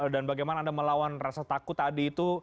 dan bagaimana anda melawan rasa takut tadi itu